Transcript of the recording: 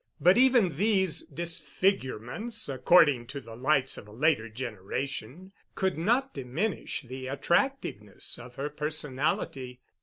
But even these disfigurements—according to the lights of a later generation—could not diminish the attractiveness of her personality.